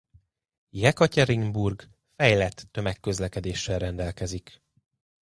Jekatyerinburg fejlett tömegközlekedéssel rendelkezik.